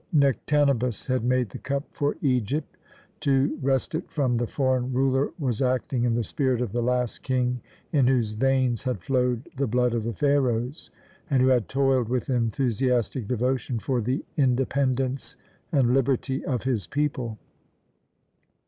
Nektanebus had made the cup for Egypt. To wrest it from the foreign ruler was acting in the spirit of the last king in whose veins had flowed the blood of the Pharaohs, and who had toiled with enthusiastic devotion for the independence and liberty of his people.